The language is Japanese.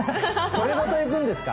これごといくんですか？